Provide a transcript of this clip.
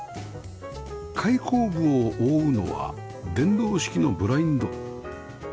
開口部を覆うのは電動式のブラインド